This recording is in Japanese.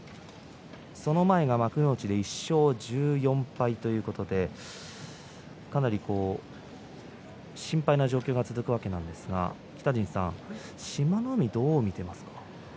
その前が幕内で１勝１４敗ということでかなり心配な状態が続いているわけですが志摩ノ海、どう見ていますか。